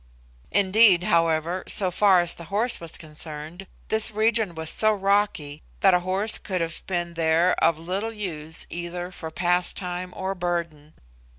Indeed, however, so far as the horse was concerned, this region was so rocky that a horse could have been, there, of little use either for pastime or burden.